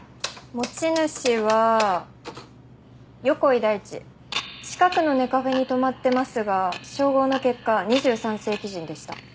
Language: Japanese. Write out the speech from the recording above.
持ち主は横井大知近くのネカフェに泊まってますが照合の結果２３世紀人でした。